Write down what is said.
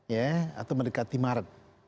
ya atau mendekati maret